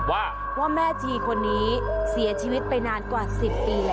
ว่าแม่ชีคนนี้เสียชีวิตไปนานกว่า๑๐ปีแล้ว